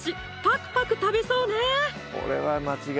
パクパク食べそうね